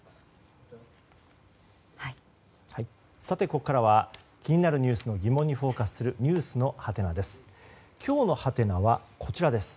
ここからは気になるニュースの疑問にフォーカスするｎｅｗｓのハテナです。